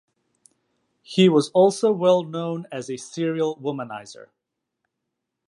He was also well known as a serial womanizer.